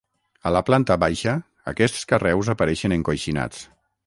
A la planta baixa, aquests carreus apareixen encoixinats.